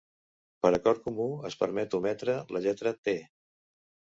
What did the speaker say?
Per acord comú es permet ometre la lletra "T".